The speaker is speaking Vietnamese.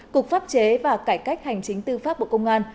cục pháp chế và cải cách hành chính tư pháp bộ công an